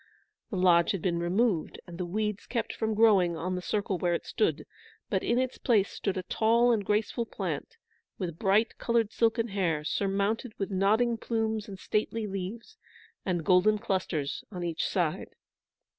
The lodge had been removed, and the weeds kept from growing on the circle where it stood, but in its place stood a tall and graceful plant, with bright coloured silken hair, surmounted with nodding plumes and stately leaves, and golden clusters on each side.